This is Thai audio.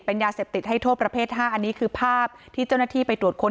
ยาเสพติดให้โทษประเภท๕อันนี้คือภาพที่เจ้าหน้าที่ไปตรวจค้น